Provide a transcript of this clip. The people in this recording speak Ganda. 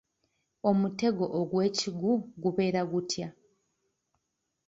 Omutego ogwekigu gubeera gutya?